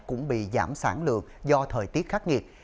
cũng bị giảm sản lượng do thời tiết khắc nghiệt